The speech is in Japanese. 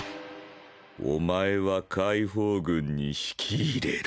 おまえは解放軍に引き入れる。